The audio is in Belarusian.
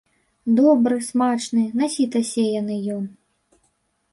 Добры, смачны, на сіта сеяны ён.